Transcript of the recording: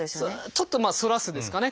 ちょっとまあ「反らす」ですかね。